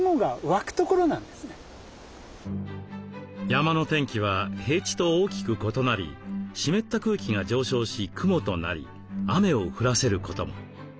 山の天気は平地と大きく異なり湿った空気が上昇し雲となり雨を降らせることも。